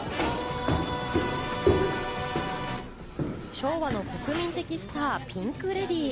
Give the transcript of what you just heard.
昭和の国民的スター、ピンク・レディー。